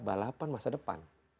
balapan masa depan